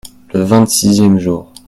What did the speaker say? Le vingt-sixième jour.